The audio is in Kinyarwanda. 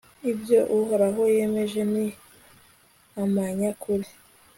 ibyo uhoraho yemeje ni amanyakuri